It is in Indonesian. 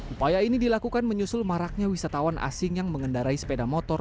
upaya ini dilakukan menyusul maraknya wisatawan asing yang mengendarai sepeda motor